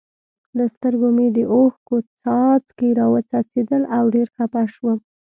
له سترګو مې د اوښکو څاڅکي را و څڅېدل او ډېر خپه شوم.